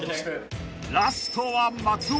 ［ラストは松尾］